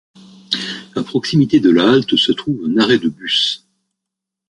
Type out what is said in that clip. À proximité de la halte se trouve un arrêt de bus.